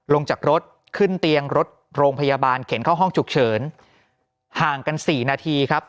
ลงจากรถขึ้นเตียงรถโรงพยาบาลเข็นเข้าห้องฉุกเฉินห่างกันสี่นาทีครับ